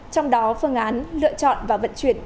trong đó phương án lựa chọn và vận chuyển